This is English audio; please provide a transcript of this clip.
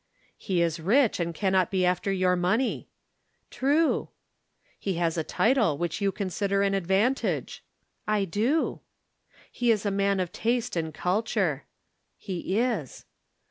"He is rich and cannot be after your money." "True." "He has a title, which you consider an advantage." "I do." "He is a man of taste and culture." "He is."